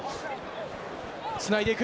つないでいく。